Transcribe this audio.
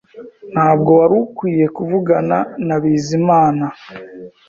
Ntabwo wari ukwiye kuvugana na Bizimana